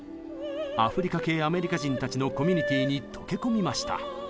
アフリカ系アメリカ人たちのコミュニティーに溶け込みました。